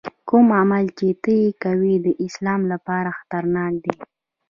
کوم عمل چې ته یې کوې د اسلام لپاره خطرناک دی.